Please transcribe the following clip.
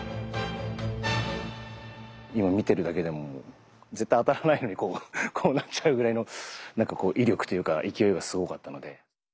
今見てるだけでも絶対当たらないのにこうなっちゃうぐらいのなんかこう威力というか勢いがすごかったので。